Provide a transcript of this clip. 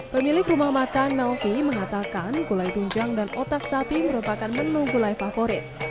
pemilik rumah makan melvi mengatakan gulai tunjang dan otak sapi merupakan menu gulai favorit